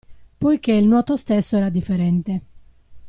Poichè il nuoto stesso era differente.